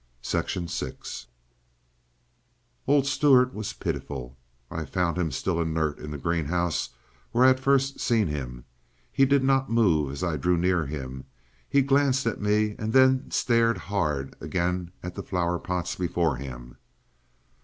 § 6 Old Stuart was pitiful. I found him still inert in the greenhouse where I had first seen him. He did not move as I drew near him; he glanced at me, and then stared hard again at the flowerpots before him.